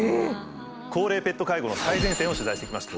高齢ペット介護の最前線を取材してきました。